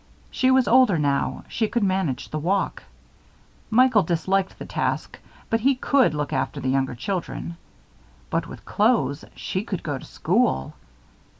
She was older now, she could manage the walk. Michael disliked the task, but he could look after the younger children. But with clothes, she could go to school.